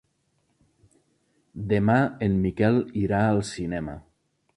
Demà en Miquel irà al cinema.